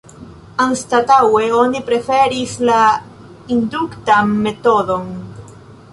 Anstataŭe oni preferis la induktan metodon.